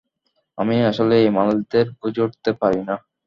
আমি আসলে এই মানুষদের বুঝে উঠতে পারি না।